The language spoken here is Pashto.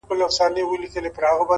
زه هم د هغوی اولاد يم!!